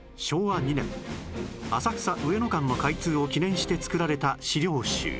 昭和２年浅草上野間の開通を記念してつくられた資料集